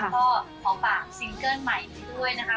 ก็ขอฝากซิงเกิ้ลใหม่นี้ด้วยนะคะ